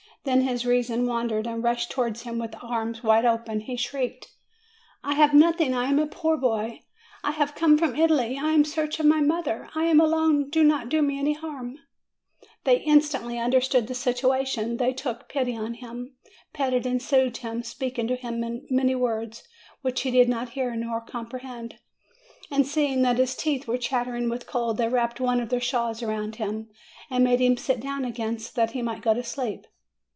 Then his reason wandered, and rushing towards him with arms wide open, he shrieked, "I have nothing; I am a poor boy; I have come from Italy ; I am in search of my mother ; I am alone : do not do me any harm !" They instantly understood the situation; they took FROM APENNINES TO THE ANDES 275 pity on him, petted and soothed him, speaking to him many words which he did not hear nor comprehend. And seeing that his teeth were chattering with cold, they wrapped one of their shawls around him, and made him sit down again, so that he might go to sleep.